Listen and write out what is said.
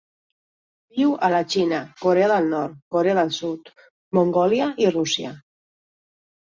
Viu a la Xina, Corea del Nord, Corea del Sud, Mongòlia i Rússia.